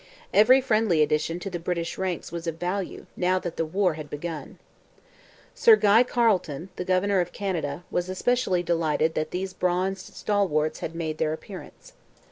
Every friendly addition to the British ranks was of value now that war had begun. Sir Guy Carleton, the governor of Canada, was especially delighted that these bronzed stalwarts had made their appearance.